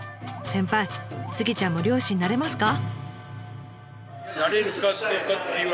先輩スギちゃんも漁師になれますか？